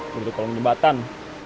gue dari kolong jembatan